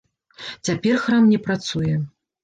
Цяпер храм не працуе.